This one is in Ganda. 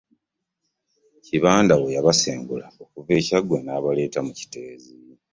Kibadawo yabasengula okuva e Kyaggwe n’abaleeta mu Kiteezi.